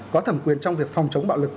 có thẩm quyền trong việc phòng chống bạo lực